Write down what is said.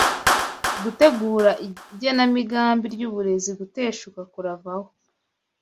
gutegura igenamigambi ryuburezi guteshuka kuravaho